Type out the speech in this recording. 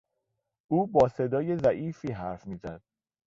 او با صدای ضعیفی حرف میزد.